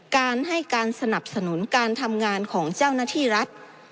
การให้การสนับสนุนการทำงานของเจ้าหน้าที่รัฐ